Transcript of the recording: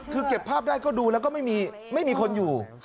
คือเก็บภาพได้ก็ดูแล้วก็ไม่มีคนอยู่